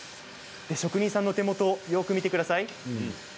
職人さんの手もとよく見てください。